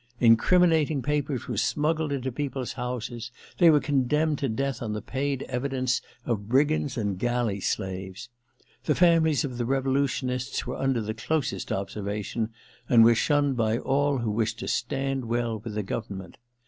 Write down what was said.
Incriminating papers were smuggled into people's houses — ^they were con demned to death on the paid evidence of brigands and galley slaves. The families of the revolu tionists were under the closest observation and were shunned by all who wished to stand well with the government.